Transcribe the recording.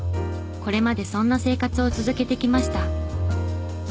これまでそんな生活を続けてきました。